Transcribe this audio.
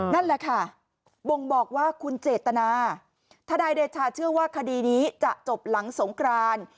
นั่นแหละค่ะบ่งบอกว่าคุณเจตนาทนายเดชาเชื่อว่าคดีนี้จะจบหลังสงคราน